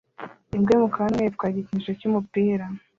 Imbwa y'umukara n'umweru itwara igikinisho cy'umupira